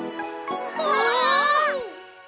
わあ！